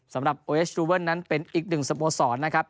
สำหรับโอเอสรูเวิลนั้นเป็นอีกหนึ่งสโมสรนะครับ